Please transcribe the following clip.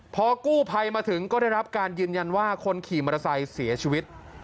พอกู้ภัยมาถึงก็ได้รับการยืนยันว่าคนขี่มอเตอร์ไซค์เสียชีวิต